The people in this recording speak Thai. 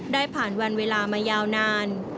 ได้ผ่านวันเวลามายาวนาน